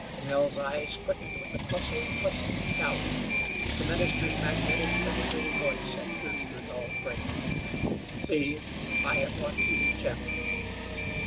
Nell's eyes quickened with a puzzled, questioning doubt. The minister's magnetic, penetrating voice had pierced her dulled brain. "See, I have brought you Jim!"